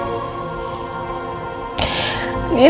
aku mau bersama nino